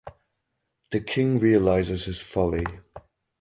The king realises his folly.